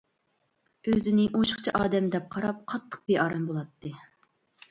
ئۆزىنى ئوشۇقچە ئادەم دەپ قاراپ قاتتىق بىئارام بولاتتى.